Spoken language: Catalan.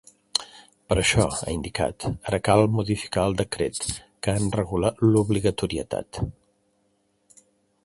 Per això, ha indicat, ara cal modificar el decret que en regula l’obligatorietat.